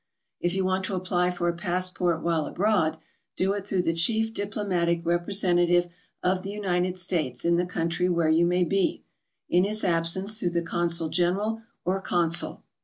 If you want to apply for a passport while abroad, do it through the chief diplomatic representative of the United States in the country where you may be; in his absence, through the consul general or consul.